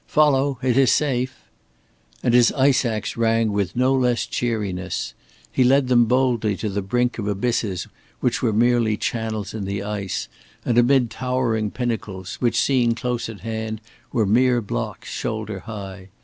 "Follow! It is safe." And his ice ax rang with no less cheeriness. He led them boldly to the brink of abysses which were merely channels in the ice, and amid towering pinnacles which seen, close at hand, were mere blocks shoulder high.